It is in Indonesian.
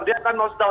dia akan nose down